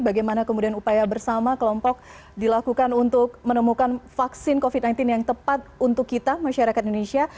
bagaimana kemudian upaya bersama kelompok dilakukan untuk menemukan vaksin covid sembilan belas yang tepat untuk kita masyarakat indonesia